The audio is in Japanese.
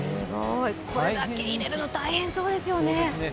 これだけ入れるの、大変そうですよね。